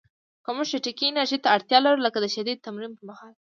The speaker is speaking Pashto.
که موږ چټکې انرژۍ ته اړتیا لرو، لکه د شدید تمرین پر مهال